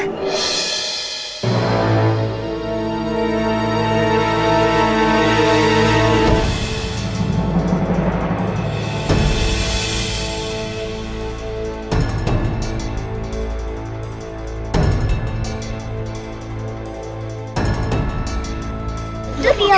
itu dia ma